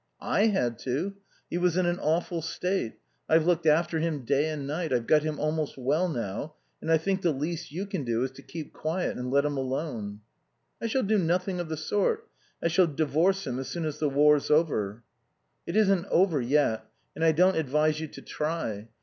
"I had to. He was in an awful state. I've looked after him day and night; I've got him almost well now, and I think the least you can do is to keep quiet and let him alone." "I shall do nothing of the sort. I shall divorce him as soon as the war's over." "It isn't over yet. And I don't advise you to try.